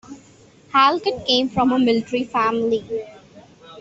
Halkett came from a military family.